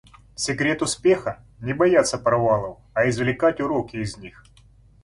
Секрет успеха - не бояться провалов, а извлекать уроки из них.